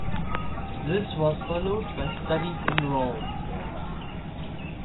This was followed by studies in Rome.